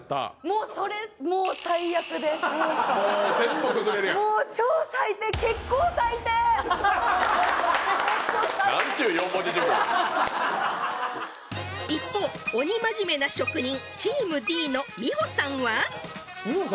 もうそれもうもう全部崩れるやんもう超最低なんちゅう四文字熟語や一方鬼真面目な職人チームＤの美穂さんは？